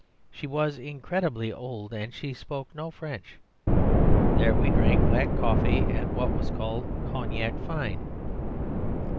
She was incredibly old, and she spoke no French. There we drank black coffee and what was called "cognac fine."